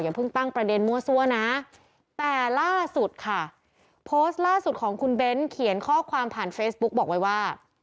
เพิ่งตั้งประเด็นมั่วซั่วนะแต่ล่าสุดค่ะโพสต์ล่าสุดของคุณเบ้นเขียนข้อความผ่านเฟซบุ๊กบอกไว้ว่า